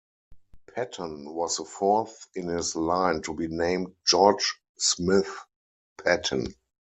Patton was the fourth in his line to be named George Smith Patton.